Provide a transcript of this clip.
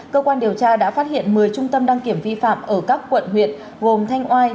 cơ quan điều tra đã phát hiện một mươi trung tâm đăng kiểm vi phạm ở các quận huyện gồm thanh oai